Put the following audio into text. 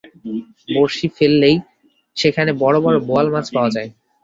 বঁড়শি ফেললেই সেখানে বড়-বড় বোয়াল মাছ পাওয়া যায়।